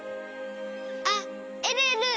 あっえるえる！